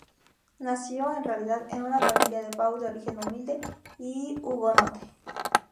Nació en realidad en una familia de Pau de origen humilde y hugonote.